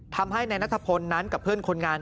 ทำให้นายนัทพลนั้นกับเพื่อนคนงาน